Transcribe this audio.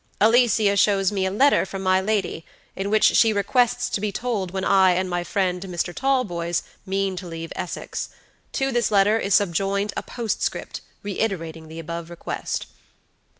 Alicia shows me a letter from my lady, in which she requests to be told when I and my friend, Mr. Talboys, mean to leave Essex. To this letter is subjoined a postscript, reiterating the above request."